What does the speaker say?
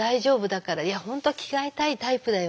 「本当は着替えたいタイプだよね」。